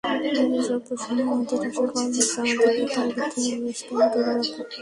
আর এসব পশু নিয়ে আমাদের আসার কারণ হচ্ছে- আমাদের পিতার বৃদ্ধাবস্থা ও দুর্বলতা।